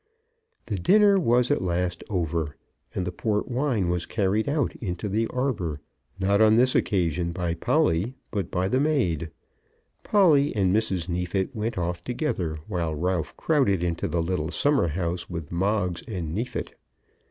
The dinner was at last over, and the port wine was carried out into the arbour; not, on this occasion, by Polly, but by the maid. Polly and Mrs. Neefit went off together, while Ralph crowded into the little summer house with Moggs and Neefit.